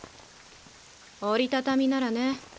折りたたみならね。